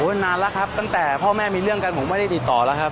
นานแล้วครับตั้งแต่พ่อแม่มีเรื่องกันผมไม่ได้ติดต่อแล้วครับ